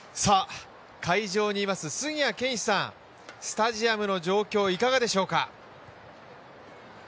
会場にいます杉谷拳士さん、スタジアムの状況いかがでしょうか？